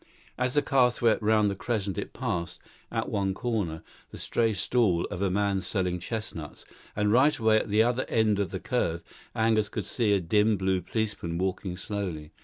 As the car swept round the crescent it passed, at one corner, the stray stall of a man selling chestnuts; and right away at the other end of the curve, Angus could see a dim blue policeman walking slowly.